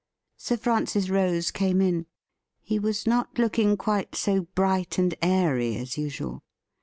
Sir Francis Rose came in. He was not looking quite so bright and airy as usual.